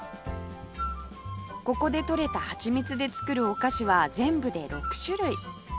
ここで採れたはちみつで作るお菓子は全部で６種類